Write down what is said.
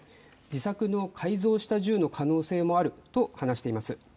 自作の改造した銃の可能性もあると話しています。